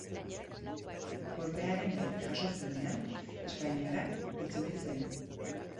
Kolpearen berri jaso zuenean Espainiara itzuli zen.